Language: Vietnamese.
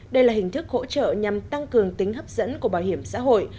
đây là hình thức hỗ trợ nhằm tăng cường tính hấp dẫn của bảo hiểm xã hội